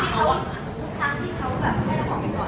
ทุกครั้งที่เขาเพื่อฝังหน่อยก่อน